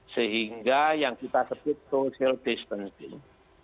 sehingga yang kita sebut social distancing